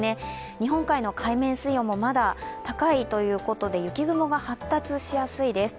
日本海の海面水温もまだ高いということで雪雲が発達しやすいです。